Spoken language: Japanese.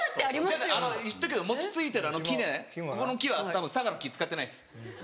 違う違う言っとくけど餅ついてるあのきねここの木はたぶん佐賀の木使ってないです。